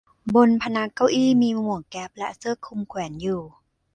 บนพนักเก้าอี้มีหมวกแก๊ปและเสื้อคลุมแขวนอยู่